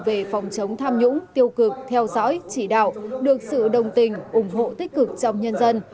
về phòng chống tham nhũng tiêu cực theo dõi chỉ đạo được sự đồng tình ủng hộ tích cực trong nhân dân